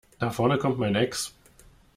Da vorne kommt mein Ex.